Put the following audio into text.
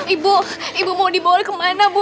ibu ibu mau dibawa kemana bu